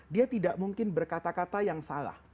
dia tidak mungkin berkata kata yang salah